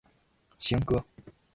行，哥！